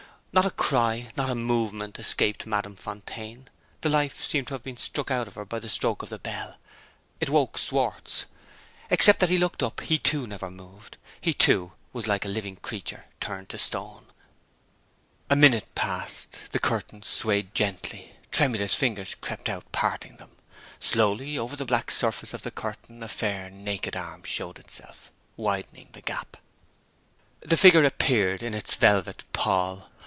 Not a cry, not a movement escaped Madame Fontaine. The life seemed to have been struck out of her by the stroke of the bell. It woke Schwartz. Except that he looked up, he too never moved: he too was like a living creature turned to stone. A minute passed. The curtains swayed gently. Tremulous fingers crept out, parting them. Slowly, over the black surface of the curtain, a fair naked arm showed itself, widening the gap. The figure appeared, in its velvet pall.